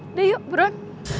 udah yuk buruan